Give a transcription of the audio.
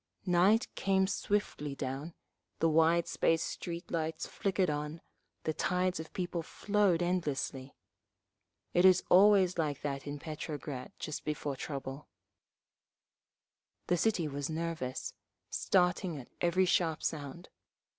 Night came swiftly down, the wide spaced street lights flickered on, the tides of people flowed endlessly…. It is always like that in Petrograd just before trouble…. The city was nervous, starting at every sharp sound.